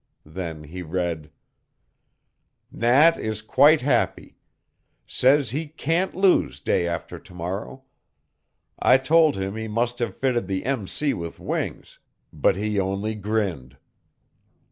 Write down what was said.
Then he read: "Nat is quite happy; says he can't lose day after to morrow. I told him he must have fitted the M. C. with wings, but he only grinned.